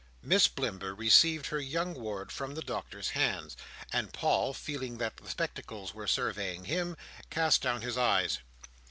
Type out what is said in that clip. Miss Blimber received her young ward from the Doctor's hands; and Paul, feeling that the spectacles were surveying him, cast down his eyes.